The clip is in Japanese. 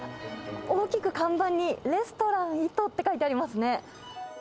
大きく看板に、レストランイトって書いてありますね。